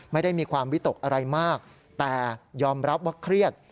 ไม่ได้มีความวิตกอะไรมากแต่ยอมรับว่าเครียด